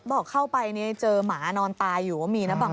บอกเข้าไปเนี่ยเจอหมานอนตายอยู่ก็มีนะบาง